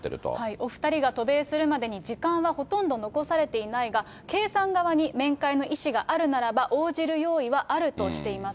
お２人が渡米するまでに時間はほとんど残されていないが、圭さん側に面会の意思があるならば、応じる用意はあるとしています。